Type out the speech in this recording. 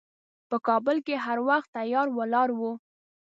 په کابل کې هر وخت تیار ولاړ و.